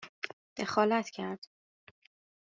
دخالت کرد